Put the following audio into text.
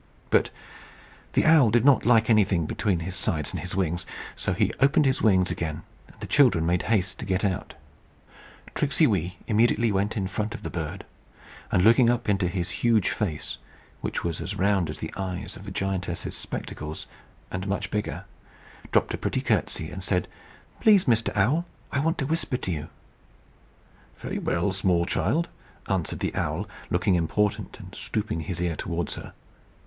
But the owl did not like anything between his sides and his wings, so he opened his wings again, and the children made haste to get out. Tricksey Wee immediately went in front of the bird, and looking up into his huge face, which was as round as the eyes of the giantess's spectacles, and much bigger, dropped a pretty courtesy, and said, "Please, Mr. Owl, I want to whisper to you." "Very well, small child," answered the owl, looking important, and stooping his ear towards her.